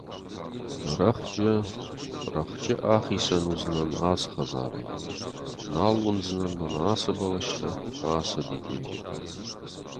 — Рӕхджы, рӕхджы ахицӕн уыдзынӕн ацы хӕдзарӕй, нал уындзынӕн мӕнӕ ацы бӕлӕстӕ, ацы дидинджытӕ.